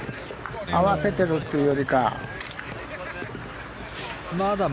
合わせてるっていうよりかは。